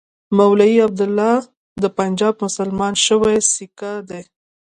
مولوي عبیدالله د پنجاب مسلمان شوی سیکه دی.